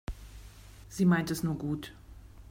Sie meint es nur gut.